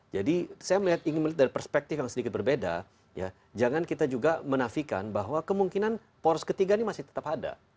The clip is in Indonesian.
jadi saya melihat dari perspektif yang sedikit berbeda jangan kita juga menafikan bahwa kemungkinan poros ketiga ini masih tetap ada